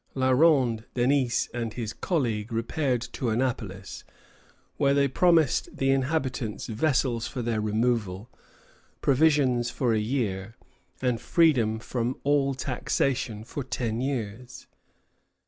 La Ronde Denys and his colleague repaired to Annapolis, where they promised the inhabitants vessels for their removal, provisions for a year, and freedom from all taxation for ten years.